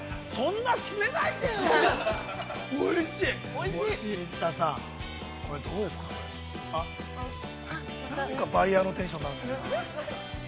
なんかバイヤーのテンションになるんだよな。